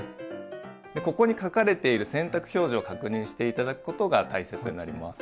ここに書かれている洗濯表示を確認して頂くことが大切になります。